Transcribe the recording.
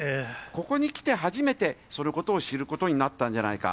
ここに来て初めて、そのことを知ることになったんじゃないか。